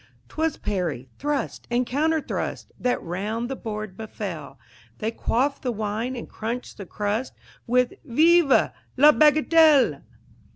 'Twas parry, thrust, and counter thrust That round the board befell; They quaffed the wine and crunched the crust With "_Vive la bagatelle!